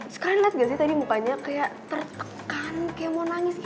sekarang lihat gak sih tadi mukanya kayak tertekan kayak mau nangis gitu